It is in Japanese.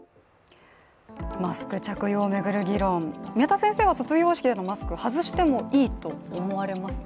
マスク着用を巡る議論、宮田先生は卒業式でのマスク外してもいいと思われますか？